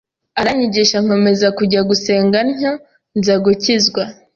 aranyigisha nkomeza kujya gusenga ntyo nza gukizwa